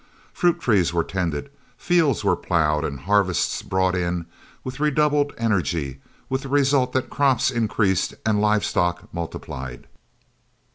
Fruit trees were tended, fields were ploughed, and harvests brought in with redoubled energy, with the result that crops increased and live stock multiplied.